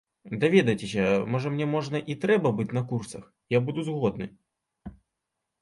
Даведайцеся, можа, мне можна і трэба быць на курсах, і я буду згодны.